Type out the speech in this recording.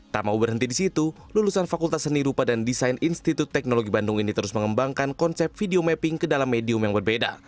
tak mau berhenti di situ lulusan fakultas seni rupa dan desain institut teknologi bandung ini terus mengembangkan konsep video mapping ke dalam medium yang berbeda